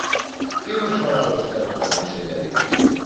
¡Imos falar dos temas da Consellería!